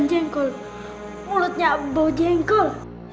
jengkol mulutnya bau jengkol